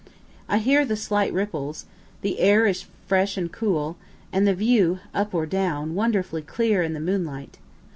I hear the slight ripples, the air is fresh and cool, and the view, up or down, wonderfully clear, in the moonlight.